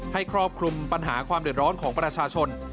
ครอบคลุมปัญหาความเดือดร้อนของประชาชน